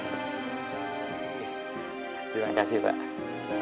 terima kasih pak